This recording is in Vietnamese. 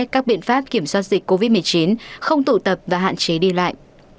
các biện pháp kiểm soát dịch covid một mươi chín không tụ tập và hạn chế đi lại